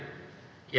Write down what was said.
yang diberikan kepadanya